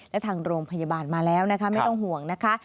และทางโรงพยาบาลมาแล้วนะคะไม่ต้องห่วงนะคะ